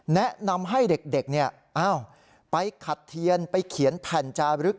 แนะนำให้เด็กไปขัดเทียนไปเขียนแผ่นจารึก